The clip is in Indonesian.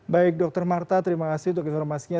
baik dr marta terima kasih untuk informasinya